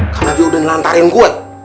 karena dia udah nelantarin gue